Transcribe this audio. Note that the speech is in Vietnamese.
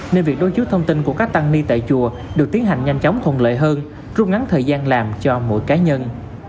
nên việc đối chiếu thông tin của các tăng ni tại chùa được tiến hành nhanh chóng thuận lợi hơn trú ngắn thời gian làm cho mỗi cá nhân